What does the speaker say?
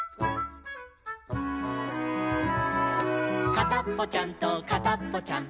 「かたっぽちゃんとかたっぽちゃん